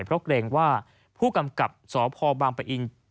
เพราะเกรงว่าผู้กำกับสพบางปะอิน